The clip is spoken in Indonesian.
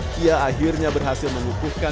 dia akhirnya berhasil mengukuhkan